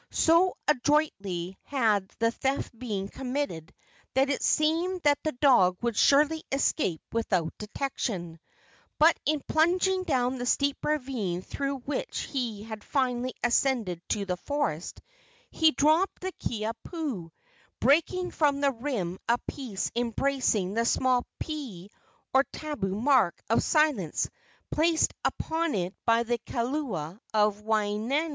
So adroitly had the theft been committed that it seemed that the dog would surely escape without detection; but in plunging down the steep ravine through which he had finally ascended to the forest, he dropped the Kiha pu, breaking from the rim a piece embracing the small pea or tabu mark of silence placed upon it by the kaula of Waianae.